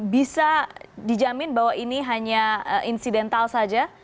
bisa dijamin bahwa ini hanya insidental saja